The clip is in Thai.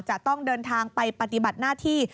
จะต้องเดินทางไปปฏิบัติหน้าที่